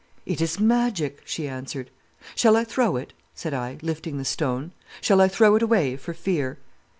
"'It is magic,' she answered. "'Shall I throw it?' said I, lifting the stone, 'shall I throw it away, for fear?